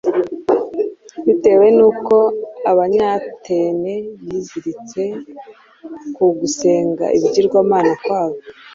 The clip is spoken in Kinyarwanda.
bitewe n’uko abanyatene biziritse ku gusenga ibigirwamana kwabo